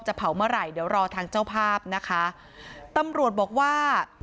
เผาเมื่อไหร่เดี๋ยวรอทางเจ้าภาพนะคะตำรวจบอกว่า